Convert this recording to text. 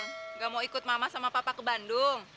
tidak mau ikut mama sama papa ke bandung